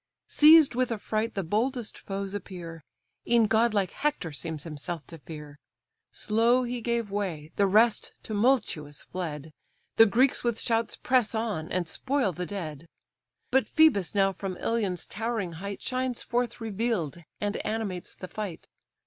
Seized with affright the boldest foes appear; E'en godlike Hector seems himself to fear; Slow he gave way, the rest tumultuous fled; The Greeks with shouts press on, and spoil the dead: But Phœbus now from Ilion's towering height Shines forth reveal'd, and animates the fight.